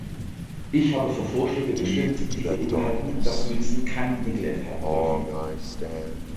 Ich habe für Vorschläge gestimmt, die beinhalten, dass Münzen kein Nickel enthalten dürfen.